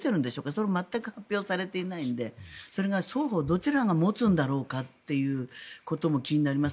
それは全く発表されていないのでそれが双方どちらが持つんだろうかということも気になります。